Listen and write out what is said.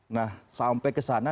nah sampai ke sana